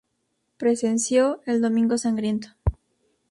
Presenció el Domingo Sangriento.